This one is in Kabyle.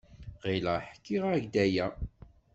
Ɣileɣ ḥkiɣ-ak-d aya.